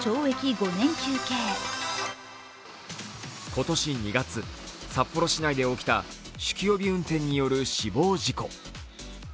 今年２月、札幌市内で起きた酒気帯び運転による死亡事故。